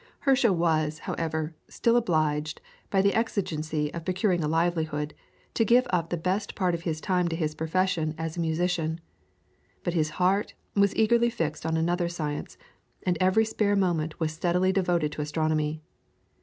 Herschel was, however, still obliged, by the exigency of procuring a livelihood, to give up the best part of his time to his profession as a musician; but his heart was eagerly fixed on another science, and every spare moment was steadily devoted to astronomy.